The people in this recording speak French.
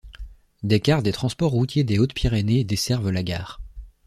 Des cars des transports routiers des Hautes-Pyrénées desservent la gare.